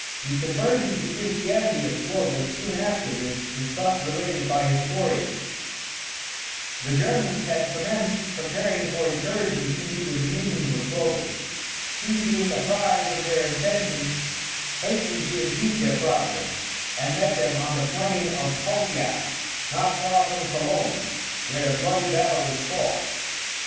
] The conversion to Christianity of Clovis, soon after this, is thus related by historians: The Germans had commenced preparing for incursions into the dominions of Clovis; he, being apprised of their intentions, hastened to impede their progress, and met them on the plains of Tolbiac, not far from Cologne, where a bloody battle was fought.